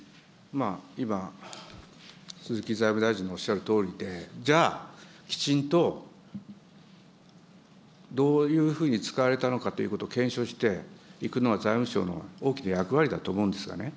今、鈴木財務大臣がおっしゃるとおりで、じゃあ、きちんとどういうふうに使われたのかということを検証していくのは財務省の大きな役割だと思うんですがね。